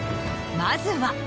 まずは。